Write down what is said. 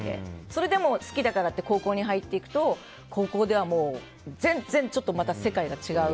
それでも好きだからって高校に入っていくと高校では全然また世界が違う。